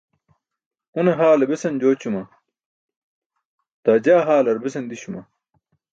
Une haale besan jooćuma, daa jaa haalar besan di̇śuma?